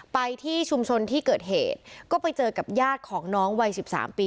ไปที่ชุมชนที่เกิดเหตุก็ไปเจอกับญาติของน้องวัย๑๓ปี